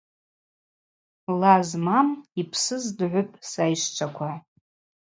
Ла змам – йпсыз дгӏвыпӏ, сайщчваква.